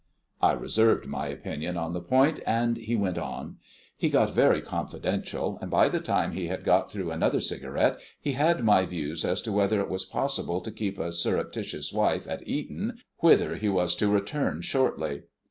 I reserved my opinion on the point, and he went on. He got very confidential, and by the time he had got through another cigarette he had my views as to whether it was possible to keep a surreptitious wife at Eton, whither he was to return shortly.